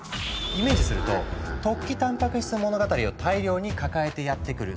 イメージすると「突起たんぱく質物語」を大量に抱えてやって来る。